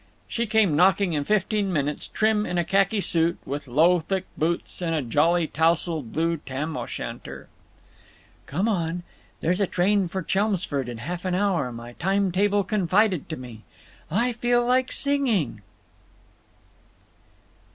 She came knocking in fifteen minutes, trim in a khaki suit, with low thick boots and a jolly tousled blue tam o' shanter. "Come on. There's a train for Chelmsford in half an hour, my time table confided to me. I feel like singing."